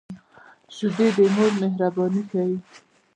شیدې د مور مهرباني ښيي